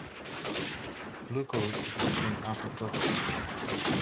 Glucose is obtained after further downstream processing.